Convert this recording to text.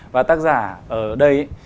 và tác giả ở đây